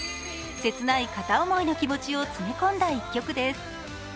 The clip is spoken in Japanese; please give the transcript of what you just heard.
切ない片思いの気持ちを詰め込んだ一曲です。